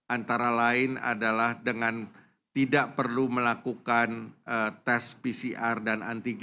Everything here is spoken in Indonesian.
antara lain adalah dengan tidak perlu melakukan tes pcr dan antigen